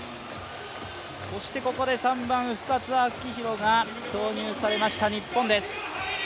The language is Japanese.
ここで３番・深津旭弘が投入されました、日本です。